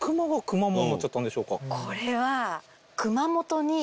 これは。